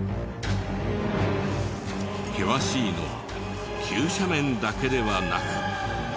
険しいのは急斜面だけではなく。